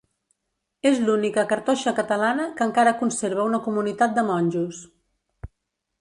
És l'única cartoixa catalana que encara conserva una comunitat de monjos.